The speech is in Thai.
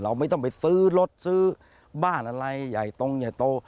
ไม่ต้องไปซื้อรถซื้อบ้านอะไรใหญ่ตรงใหญ่โต